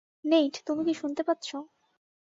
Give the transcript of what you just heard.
Neat, তুমি কি শুনতে পাচ্ছ?